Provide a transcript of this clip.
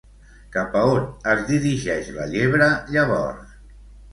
Cap a on es dirigeix la llebre llavors?